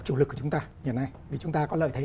chủ lực của chúng ta vì chúng ta có lợi thế